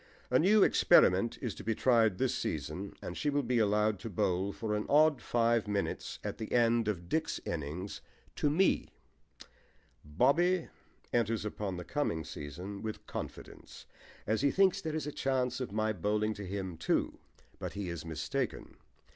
A new experiment is to be tried this season, and she will be allowed to bowl for an odd five minutes at the end of Dick's innings to me. BOBBY enters upon the coming season with confidence, as he thinks there is a chance of my bowling to him too; but he is mistaken.